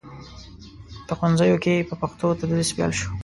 په ښوونځیو کې په پښتو تدریس پیل شو.